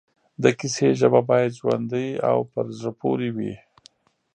د کیسې ژبه باید ژوندۍ او پر زړه پورې وي